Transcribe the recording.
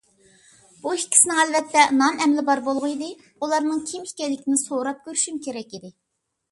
بۇ ئىككىسىنىڭ ئەلۋەتتە نام - ئەمىلى بار بولغىيدى، ئۇلارنىڭ كىم ئىكەنلىكىنى سوراپ كۆرۈشۈم كېرەك ئىدى.